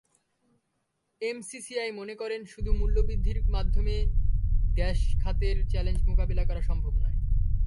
MCCI মনে করে, শুধু মূল্যবৃদ্ধির মাধ্যমে গ্যাস খাতের চ্যালেঞ্জ মোকাবিলা করা সম্ভব নয়।